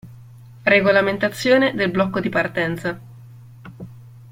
Regolamentazione del blocco di partenza.